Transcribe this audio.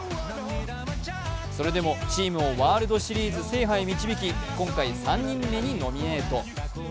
それでもチームをワールドシリーズ制覇に導き今回３人目にノミネート。